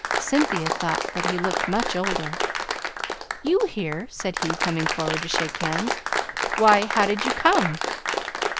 Cynthia thought that he looked much older. "You here!" said he, coming forward to shake hands. "Why, how did you come?"